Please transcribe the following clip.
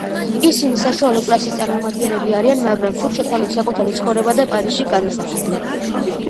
ისინი საშუალო კლასის წარმომადგენლები არიან, მაგრამ სურთ, შეცვალონ საკუთარი ცხოვრება და პარიზში გადასახლდნენ.